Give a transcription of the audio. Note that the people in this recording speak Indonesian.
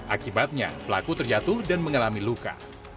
akibatnya pelaku terjatuh dan mengalami luka